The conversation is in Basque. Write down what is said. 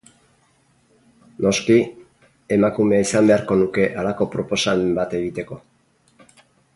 Noski, emakumea izan beharko nuke halako proposamen bat egiteko.